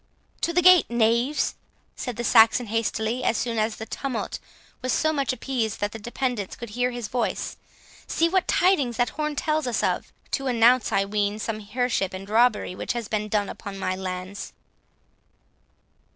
"To the gate, knaves!" said the Saxon, hastily, as soon as the tumult was so much appeased that the dependants could hear his voice. "See what tidings that horn tells us of—to announce, I ween, some hership 12 and robbery which has been done upon my lands."